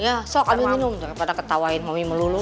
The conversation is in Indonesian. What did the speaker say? ya sok ambil minum daripada ketawain mami melulu